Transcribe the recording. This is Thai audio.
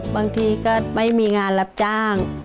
บางทีก็ไม่มีงานรับจ้าง